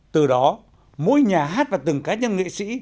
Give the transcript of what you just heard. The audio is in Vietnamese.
từ đó mỗi nhà hát và từng cá nhân nghệ sĩ